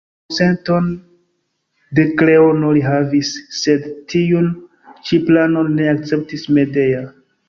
Konsenton de Kreono li havis, sed tiun ĉi planon ne akceptis Medea.